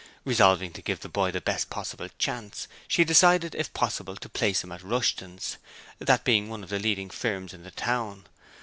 Resolving to give the boy the best possible chance, she decided if possible to place him at Rushton's, that being one of the leading firms in the town.